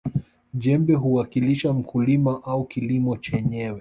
jembe huwakilisha mkulima au kilimo chenyewe